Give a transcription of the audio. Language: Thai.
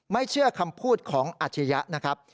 เชื่อคำพูดของอาชียะนะครับ